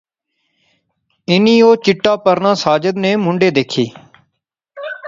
انی او چٹا پرنا ساجد نے مونڈھے دیکھی